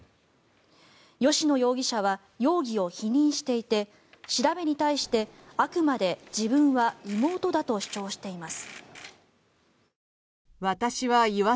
吉野容疑者は容疑を否認していて調べに対して、あくまで自分は妹だと主張しています。